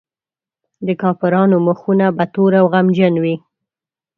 د کافرانو مخونه به تور او غمجن وي.